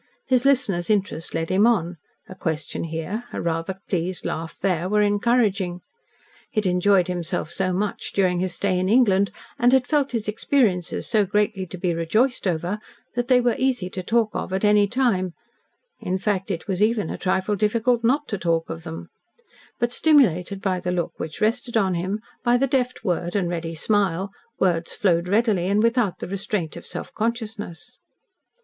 His listener's interest led him on, a question here, a rather pleased laugh there, were encouraging. He had enjoyed himself so much during his stay in England, and had felt his experiences so greatly to be rejoiced over, that they were easy to talk of at any time in fact, it was even a trifle difficult not to talk of them but, stimulated by the look which rested on him, by the deft word and ready smile, words flowed readily and without the restraint of self consciousness.